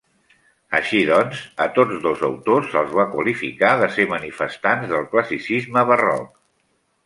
Així doncs, a tots dos autors se'ls va qualificar de ser manifestants del classicisme barroc.